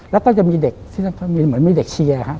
แล้วก็จะมีเด็กเหมือนมีเด็กเชียร์ครับ